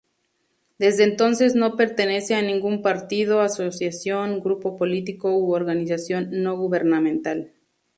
Desde entonces no pertenece a ningún partido, asociación, grupo político u Organización No Gubernamental.